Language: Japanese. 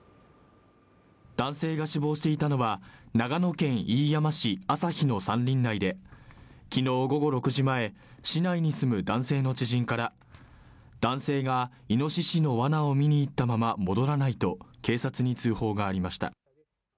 男性が死亡していたのは長野県飯山市旭の山林内で昨日午後６時前市内に住む男性の知人から男性がイノシシのわなを見に行ったまま戻らないと警察に通報がありました